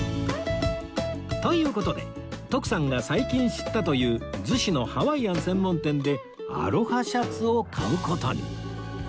という事で徳さんが最近知ったという逗子のハワイアン専門店でアロハシャツを買う事に